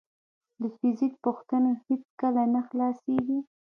د فزیک پوښتنې هیڅکله نه خلاصېږي.